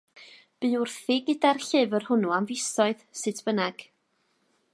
Bu wrthi gyda'r llyfr hwnnw am fisoedd, sut bynnag.